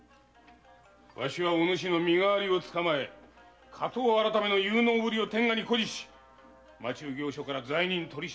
わしがおぬしの身代わりを捕まえ火盗改の有能ぶりを天下に誇示し町奉行所から罪人取締の権限を奪い取る。